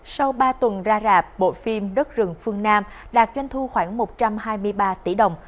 sau ba tuần ra rạp bộ phim đất rừng phương nam đạt doanh thu khoảng một trăm hai mươi ba tỷ đồng